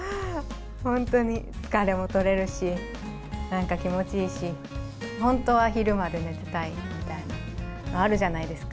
本当に疲れも取れるし、なんか気持ちいいし、本当は昼まで寝てたいみたいなのあるじゃないですか。